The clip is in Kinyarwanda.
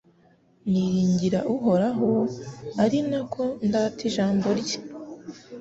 niringira Uhoraho ari na ko ndata ijambo rye